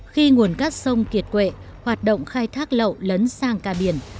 khi nguồn cát sông kiệt quệ hoạt động khai thác lậu lấn sang cà biển